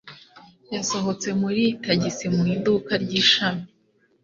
Yasohotse muri tagisi mu iduka ry’ishami.